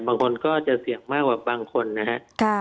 บางคนก็จะเสี่ยงมากกว่าบางคนนะครับ